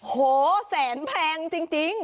โหแสนแพงจริง